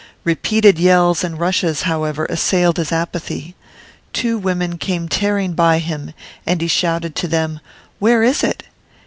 Repeated yells and rushes, however, assailed his apathy. Two women came tearing by him, and he shouted to them: 'Where is it?